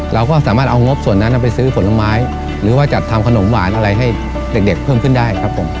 เราก็สามารถเอางบส่วนนั้นไปซื้อผลไม้หรือว่าจัดทำขนมหวานอะไรให้เด็กเพิ่มขึ้นได้ครับผม